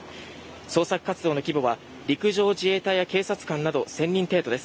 捜索活動の規模は陸上自衛隊や機動隊など１０００人程度です。